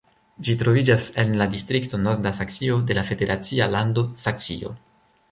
Ĝi troviĝas en la distrikto Norda Saksio de la federacia lando Saksio.